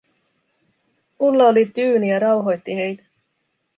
Ulla oli tyyni ja rauhoitti heitä.